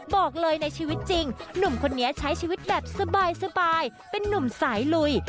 บอกเลยในชีวิตจริงหนุ่มคนนี้ใช้ชีวิตแบบสบายเป็นนุ่มสายลุย